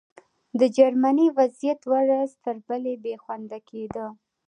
د جرمني وضعیت ورځ تر بلې بې خونده کېده